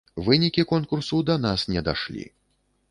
Вынікі конкурсу да нас не дашлі.